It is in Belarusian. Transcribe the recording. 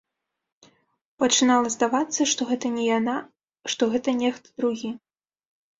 Пачынала здавацца, што гэта не яна, што гэта нехта другі.